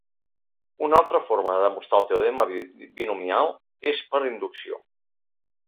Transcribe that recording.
Una altra forma de demostrar el teorema binomial és per inducció.